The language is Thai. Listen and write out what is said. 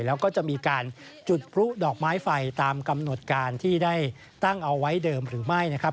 แล้วก็จะมีการจุดพลุดอกไม้ไฟตามกำหนดการที่ได้ตั้งเอาไว้เดิมหรือไม่นะครับ